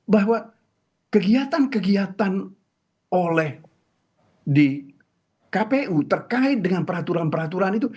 bahwa kegiatan kegiatan oleh di kpu terkait dengan peraturan peraturan itu